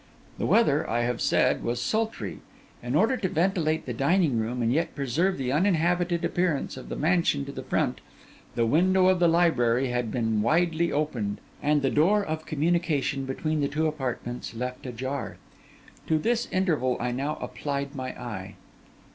The weather, I have said, was sultry; in order to ventilate the dining room and yet preserve the uninhabited appearance of the mansion to the front, the window of the library had been widely opened, and the door of communication between the two apartments left ajar. To this interval I now applied my eye.